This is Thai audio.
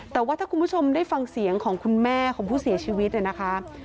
แต่ว่าถ้าคุณผู้ชมได้ฟังเสียงของคุณแม่ของผู้เสียชีวิตเนี่ยนะคะ